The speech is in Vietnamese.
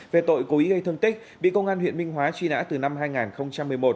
về tội cố ý gây thương tích bị công an huyện minh hóa truy nã từ năm hai nghìn một mươi một